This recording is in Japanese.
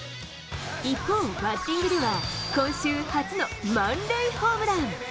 一方、バッティングでは今週、初の満塁ホームラン。